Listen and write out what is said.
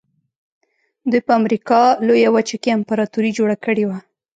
دوی په امریکا لویه وچه کې امپراتوري جوړه کړې وه.